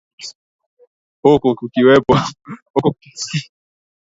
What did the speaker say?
huku kukiwepo mivutano juu ya kiwango ambacho serikali inatakiwa kuyalipa makampuni ya mafuta